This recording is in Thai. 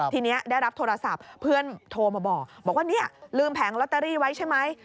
ทีนี้ได้รับโทรศัพท์เพื่อนโทรมาบอกว่าเนี่ยลืมแผงลอตเตอรี่ไว้ใช่ไหม